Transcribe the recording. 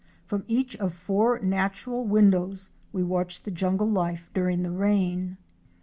From each of four natural windows we watched the jungle life during the rain.